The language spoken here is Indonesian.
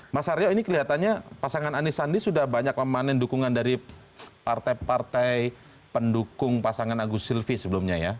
mas aryo ini kelihatannya pasangan anies sandi sudah banyak memanen dukungan dari partai partai pendukung pasangan agus silvi sebelumnya ya